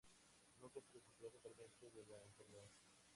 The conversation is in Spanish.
Nunca se recuperó totalmente de la enfermedad.